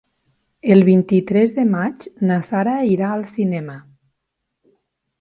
El vint-i-tres de maig na Sara irà al cinema.